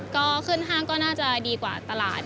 ก็ขึ้นห้างก็น่าจะดีกว่าตลาด